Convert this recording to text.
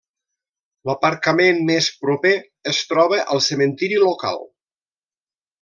L'aparcament més proper es troba al cementiri local.